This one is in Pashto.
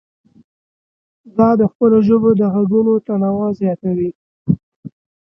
دا د خپلو ژبو د غږونو تنوع زیاتوي.